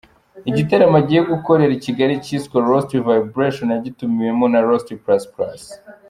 Igitaramo agiye gukorera i Kigali cyiswe ‘Rosty Vibration’, yagitumiwemo na Rosty Plus Plus.